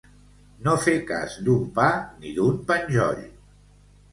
No fer cas d'un pa ni d'un penjoll.